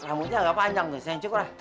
rambutnya gak panjang senyek cukur lah